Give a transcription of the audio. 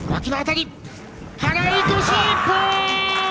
払い腰、一本！